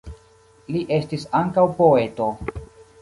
Li estis ankaŭ poeto.